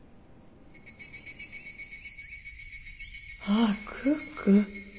ああクック。